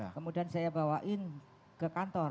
kemudian saya bawain ke kantor